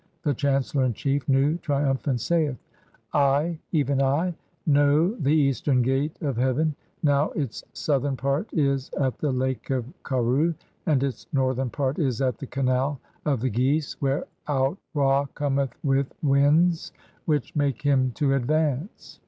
(2) The chancellor in chief, Nu, triumphant, saith :— "I, even I, know the eastern gate of heaven — now its southern "part is at the Lake of Kharu (3) and its northern part is at "the canal of the geese — whereout Ra cometh with winds which "make him to advance.